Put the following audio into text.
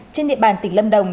trên địa bàn tỉnh lâm đồng